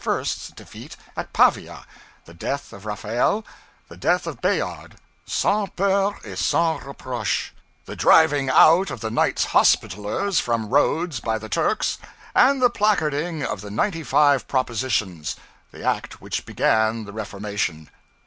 's defeat at Pavia; the death of Raphael; the death of Bayard, Sans Peur Et Sans Reproche; the driving out of the Knights Hospitallers from Rhodes by the Turks; and the placarding of the Ninety Five Propositions, the act which began the Reformation.